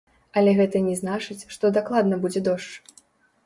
Але гэта не значыць, што дакладна будзе дождж.